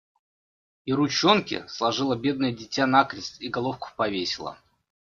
И ручонки сложило бедное дитя накрест, и головку повесило…